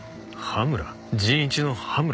羽村？